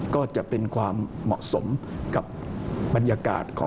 ก็จะเป็นความเหมาะสมกับบรรยากาศของ